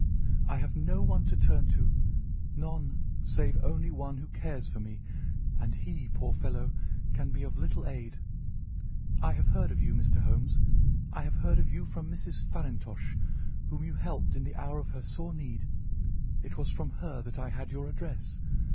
I have no one to turn to—none, save only one, who cares for me, and he, poor fellow, can be of little aid. I have heard of you, Mr. Holmes; I have heard of you from Mrs. Farintosh, whom you helped in the hour of her sore need. It was from her that I had your address.